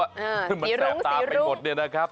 สีรุ้งสีรุ้งมันแสบตาไปหมดเนี่ยนะครับ